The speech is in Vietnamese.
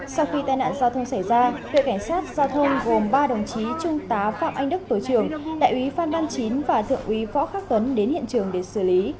sau khi tai nạn giao thông xảy ra đội cảnh sát giao thông gồm ba đồng chí trung tá phạm anh đức tổ trưởng đại úy phan văn chín và thượng úy võ khắc tuấn đến hiện trường để xử lý